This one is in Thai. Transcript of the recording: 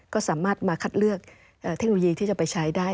ก็สามารถมาคัดเลือกเทคโนโลยีที่จะไปใช้ได้